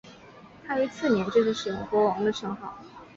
他于次年正式使用国王的称号。